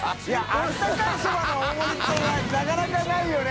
温かいそばの大盛りってなかなかないよね。